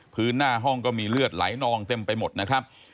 หน้าห้องก็มีเลือดไหลนองเต็มไปหมดนะครับ